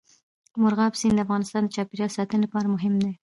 مورغاب سیند د افغانستان د چاپیریال ساتنې لپاره مهم دي.